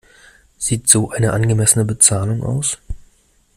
Sieht so eine angemessene Bezahlung aus?